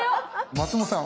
松本さん